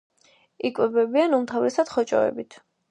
იკვებებიან უმთავრესად ხოჭოებით.